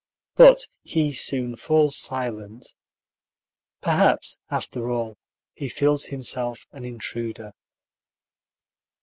But he soon falls silent. Perhaps, after all, he feels himself an intruder.